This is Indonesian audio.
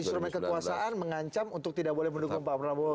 instrumen kekuasaan mengancam untuk tidak boleh mendukung pak prabowo